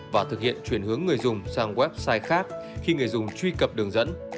và thực hiện chuyển hướng người dùng sang website khác khi người dùng truy cập đường dẫn